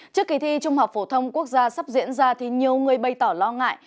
trước kỳ thi trung học phổ thông quốc gia sắp diễn ra thì nhiều người bày tỏ lo ngại